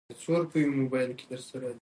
د اوښکو د پاکولو لپاره مالي مرسته پکار ده.